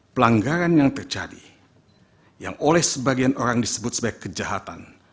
pelanggaran yang terjadi yang oleh sebagian orang disebut sebagai kejahatan